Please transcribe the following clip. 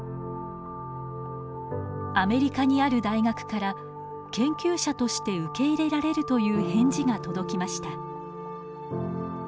アメリカにある大学から研究者として受け入れられるという返事が届きました。